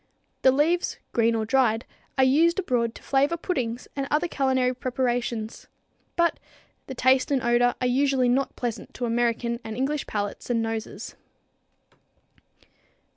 The leaves, green or dried, are used abroad to flavor puddings and other culinary preparations, but the taste and odor are usually not pleasant to American and English palates and noses.